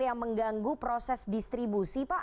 yang mengganggu proses distribusi pak